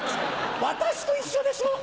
私と一緒でしょ？